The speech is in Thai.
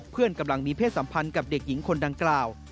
กำลังมีเพศสัมพันธ์กับเด็กหญิงคนดังกล่าว